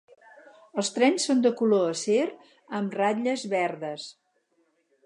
Els trens són de color acer amb ratlles verdes.